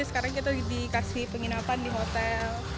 sekarang kita dikasih penginapan di hotel